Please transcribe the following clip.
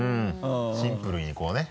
シンプルにこうねぇ。